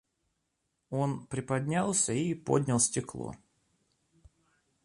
Он приподнялся и поднял стекло.